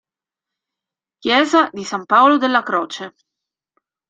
Chiesa di San Paolo della Croce